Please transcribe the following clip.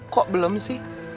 kok belum sih